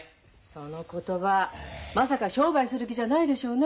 その言葉まさか商売する気じゃないでしょうね？